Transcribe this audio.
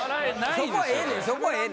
そこはええねん。